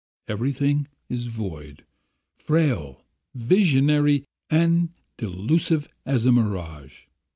Everything is void, frail, visionary and delusive as a mirage.